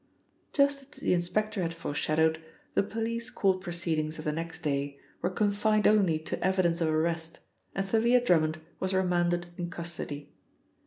Just as the inspector had foreshadowed, the police court proceedings of the next day were confined only to evidence of arrest, and Thalia Drummond was remanded in custody.